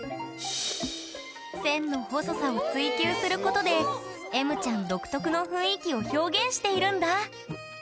線の細さを追求することでえむちゃん独特の雰囲気を表現しているんだ！